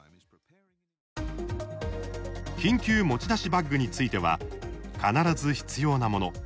緊急持ち出しバッグについては必ず必要なもの